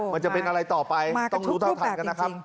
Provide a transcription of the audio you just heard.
มันจะเป็นอะไรต่อไปต้องรู้เท่าทันกันนะครับ